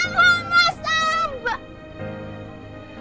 bukan mau masam